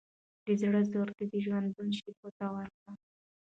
د زړه زور دي د ژوندون شېبو ته وركه